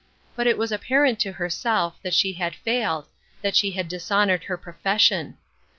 But it was apparent to herself that she had failed, that she had dishonored her pro fession.